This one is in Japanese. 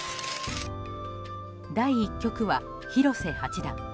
第１局は広瀬八段。